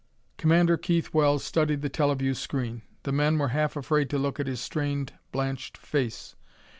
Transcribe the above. Commander Keith Wells studied the teleview screen. The men were half afraid to look at his strained blanched face.